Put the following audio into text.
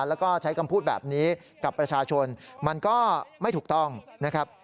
แล้วก็ใช้คำพูดแบบนี้กับประชาชนมันก็ไม่ถูกต้องนะครับ